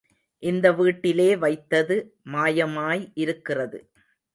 இந்த வீட்டிலே வைத்தது மாயமாய் இருக்கிறது.